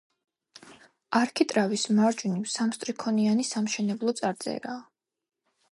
არქიტრავის მარჯვნივ სამსტრიქონიანი სამშენებლო წარწერაა.